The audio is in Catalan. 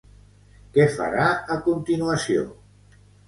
Què farà a continuació?